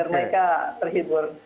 biar mereka terhibur